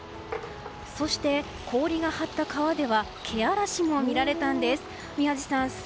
そして、氷が張った川ではけあらしも見られたんです。